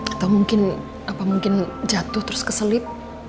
atau mungkin jatuh terus keselip